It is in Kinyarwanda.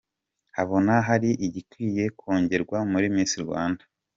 Abona hari igikwiye kongerwa muri Miss Rwanda .